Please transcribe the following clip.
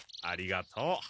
ありがとう。